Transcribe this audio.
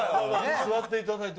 座っていただいて。